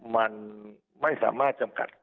มันไม่สามารถจำกัด